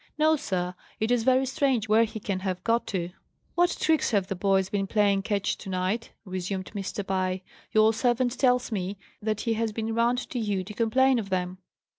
"No, sir. It is very strange where he can have got to." "What tricks have the boys been playing Ketch, to night?" resumed Mr. Pye. "Your servant tells me that he has been round to you to complain of them."